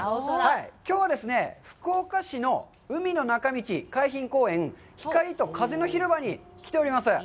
きょうはですね、福岡市の海の中道海浜公園「光と風の広場」に来ております。